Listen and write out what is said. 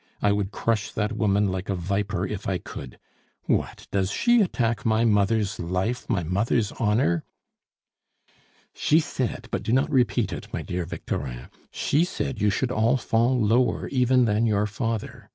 I would crush that woman like a viper if I could! What, does she attack my mother's life, my mother's honor?" "She said, but do not repeat it, my dear Victorin she said you should all fall lower even than your father.